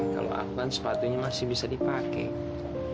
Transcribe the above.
kalau aku kan sepatunya masih bisa dipakai